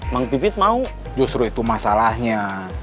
bang pipit mau justru itu masalahnya